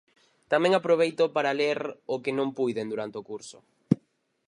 Tamén aproveito para ler o que non puiden durante o curso.